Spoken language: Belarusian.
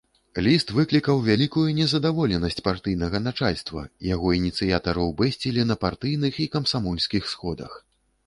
Ліст выклікаў вялікую незадаволенасць партыйнага начальства, яго ініцыятараў бэсцілі на партыйных і камсамольскіх сходах.